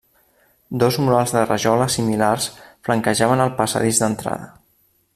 Dos murals de rajola similars flanquejaven el passadís d'entrada.